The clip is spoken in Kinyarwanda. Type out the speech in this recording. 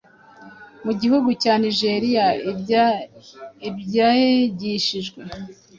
mu gihugu cya Nigeria abyigishijwe